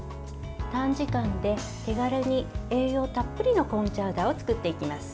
短時間で手軽に、栄養たっぷりのコーンチャウダーを作っていきます。